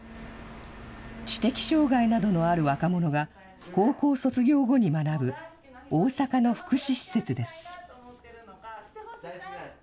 知的障害などのある若者が、高校卒業後に学ぶ大阪の福祉施設です。